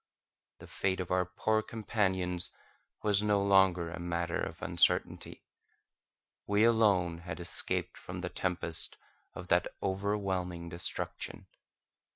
The fate of our poor companions was no longer a matter of uncertainty. We alone had escaped from the tempest of that overwhelming destruction.